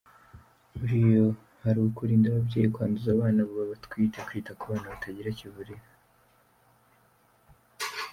Muri yo hari ukurinda ababyeyi kwanduza abana babatwite, kwita ku bana batagira kivurira.